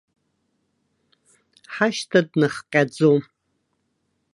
Ҳашьҭа днахҟьаӡом.